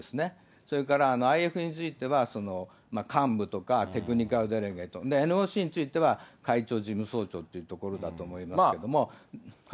それからＩＦについては幹部とかテクニカル、ＮＯＣについては、会長、事務総長というところだと思いますけれども。